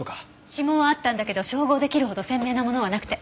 指紋はあったんだけど照合出来るほど鮮明なものはなくて。